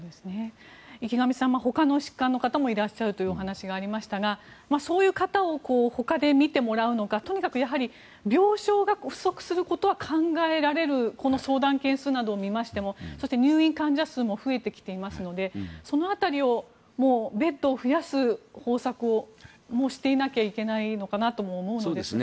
池上さんほかの疾患の方もいらっしゃるという話がありましたがそういう方をほかで診てもらうのかとにかく病床が不足することは考えられるこの相談件数などを見ましてもそして、入院患者数も増えてきていますのでその辺りもベッドを増やす方策ももう、していなきゃいけないのかなとも思うんですが。